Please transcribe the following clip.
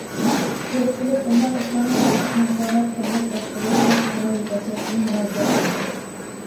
كۆپچىلىك بۇنداق ئىشلارنى قاتتىق نازارەت قىلىپ باشقۇرۇش ۋە توغرا يېتەكلەشنى مۇراجىئەت قىلدى.